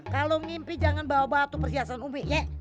kalau mimpi jangan bawa batu persiasan umi ye